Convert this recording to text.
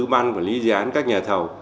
ban quản lý dự án các nhà thầu